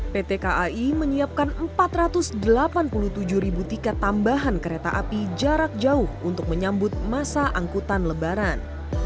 pt kai menyiapkan empat ratus delapan puluh tujuh ribu tiket tambahan kereta api jarak jauh untuk menyambut masa angkutan lebaran